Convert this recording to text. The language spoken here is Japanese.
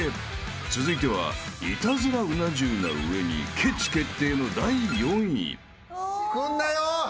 ［続いてはイタズラうな重な上にケチ決定の第４位］